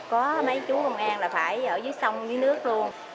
có mấy chú công an là phải ở dưới sông dưới nước luôn